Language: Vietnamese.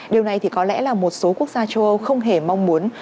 điều này thì có lẽ là một số quốc gia châu âu không hề mong muốn